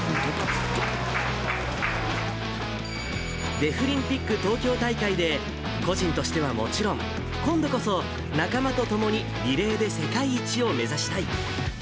デフリンピック東京大会で、個人としてはもちろん、今度こそ仲間と共にリレーで世界一を目指したい。